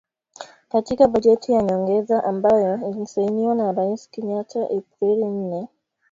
Katika bajeti ya nyongeza ambayo ilisainiwa na Rais Kenyatta Aprili nne, aliidhinisha shilingi bilioni thelathini na nne za Kenya ( dola milioni mia mbili tisini na nane)